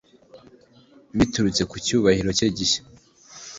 Biturutse ku cyubahiro cye gishya